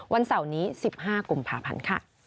วันเสาร์นี้๑๕กุมภาพันธ์